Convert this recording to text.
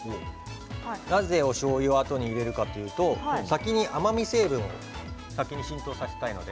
なぜおしょうゆをあとに入れるかというと先に甘み成分を浸透させたいので。